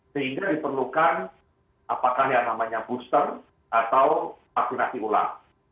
sehingga diperlukan apakah yang namanya booster atau vaksinasi ulang